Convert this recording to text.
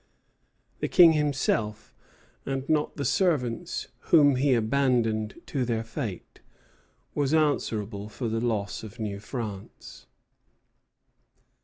The King himself, and not the servants whom he abandoned to their fate, was answerable for the loss of New France.